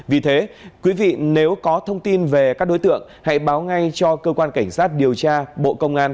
vì thế quý vị nếu có thông tin về các đối tượng hãy báo ngay cho cơ quan cảnh sát điều tra bộ công an